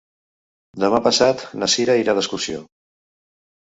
Demà passat na Sira irà d'excursió.